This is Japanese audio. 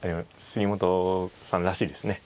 杉本さんらしいですね。